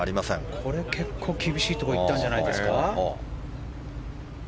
これ結構厳しいところ行ったんじゃないんですか。